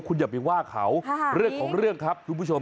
คุณอย่าไปว่าเขาเรื่องของเรื่องครับคุณผู้ชม